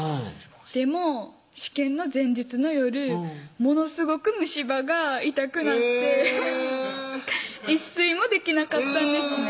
でも試験の前日の夜ものすごく虫歯が痛くなってえぇ一睡もできなかったんですね